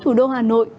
thủ đô hà nội